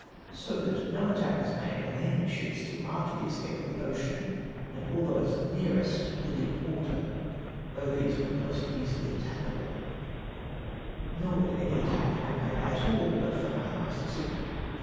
So that no attack was made on the enemy's ships tiU after the escape of the Ocea)!, and all those nearest the deep water, though these were most easily attackable ; nor would any attack have been made at all, but for my last signal.